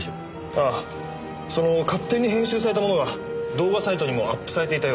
ああその勝手に編集されたものが動画サイトにもアップされていたようで。